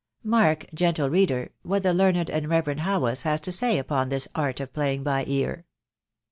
Mark, gentle reader, what the learned and reverend Haweis has to say upon this art of playing by ear!